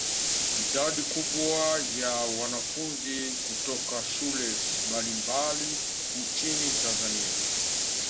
Idadi kubwa ya wanafunzi kutoka shule mbalimbali nchini Tanzania